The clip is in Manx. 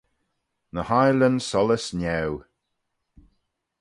Ny h-ainlyn sollys niau.